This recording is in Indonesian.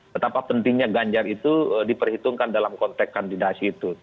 betapa pentingnya ganjar itu diperhitungkan dalam konteks kandidasi itu